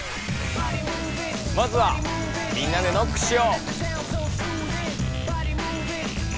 まずはみんなでノックしよう！